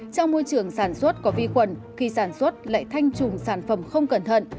trong môi trường sản xuất có vi khuẩn khi sản xuất lại thanh chủng sản phẩm không cẩn thận